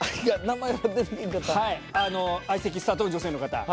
相席スタートの女性の方。